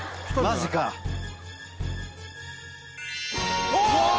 マジかおお！